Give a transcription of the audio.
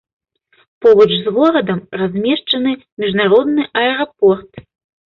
Побач з горадам размешчаны міжнародны аэрапорт.